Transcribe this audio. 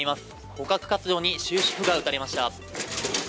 捕獲活動に終止符が打たれました。